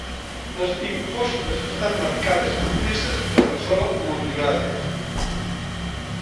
Les impostes estan marcades amb peces de rajola motllurades.